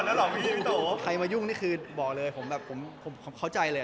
เฮ้ยใครมายุ่งบอกเลยผมเข้าใจเลย